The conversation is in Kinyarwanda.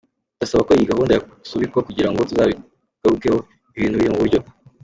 Ndasaba ko iyi gahunda yasubikwa kugira ngo tuzabigarukeho ibintu biri mu buryo.